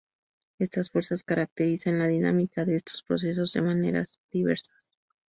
Estas fuerzas caracterizan la dinámica de estos procesos de maneras diversas.